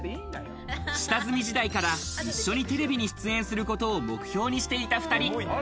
下積み時代から一緒にテレビに出演することを目標にしていた２人。